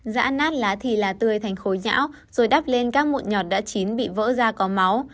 giã nát lá thì là tươi thành khối nhão rồi đắp lên các mụn nhọt đã chín bị vỡ ra có máu